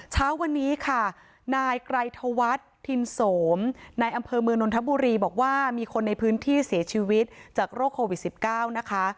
เช้าวันนี้ค่ะนายไกรธวัฒน์ทินโสมในอำเภอเมืองนนทบุรีบอกว่ามีคนในพื้นที่เสียชีวิตจากโรคโควิด๑๙นะคะ